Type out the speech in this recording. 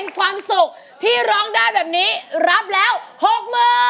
ให้ร้องได้ให้ร้อง